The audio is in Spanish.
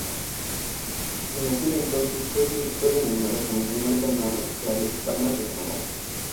En aquel entonces, fue denominado como el primer canal de habla hispana de Canadá.